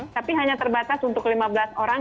tapi hanya terbatas untuk lima belas orang